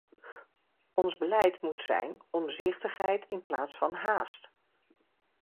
Ons beleid moet zijn: omzichtigheid in plaats van haast!